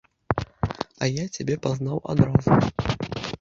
А я цябе пазнаў адразу.